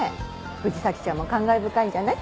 藤崎ちゃんも感慨深いんじゃない？